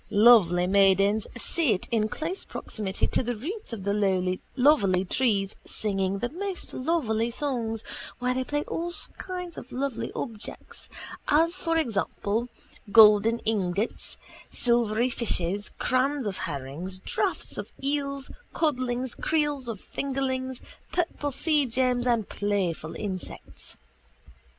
Lovely maidens sit in close proximity to the roots of the lovely trees singing the most lovely songs while they play with all kinds of lovely objects as for example golden ingots, silvery fishes, crans of herrings, drafts of eels, codlings, creels of fingerlings, purple seagems and playful insects.